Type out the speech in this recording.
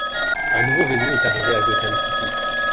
Un nouveau venu est arrivé à Gotham City.